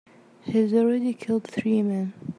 He's already killed three men.